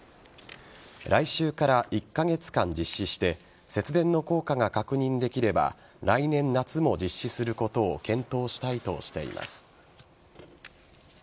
来週から１カ月間実施して節電の効果が確認できれば来年夏も実施することを検討したいとしています。